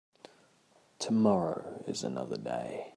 Tomorrow is another day.